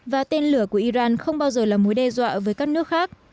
và tên lửa của iran không bao giờ là mối đe dọa với các nước khác